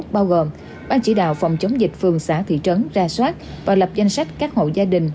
bao gồm ban chỉ đạo phòng chống dịch phường xã thị trấn ra soát và lập danh sách các hộ gia đình